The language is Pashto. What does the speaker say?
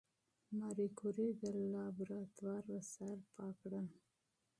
ماري کوري د لابراتوار وسایل پاک کړل.